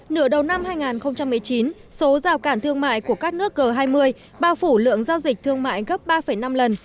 nửa đầu năm hai nghìn một mươi chín số rào cản thương mại của các nước g hai mươi bao phủ lượng giao dịch thương mại gấp ba năm lần